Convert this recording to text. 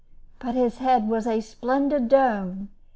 But his head was a splendid dome.